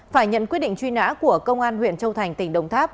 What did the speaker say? phải nhận quyết định truy nã của công an huyện châu thành tỉnh đồng tháp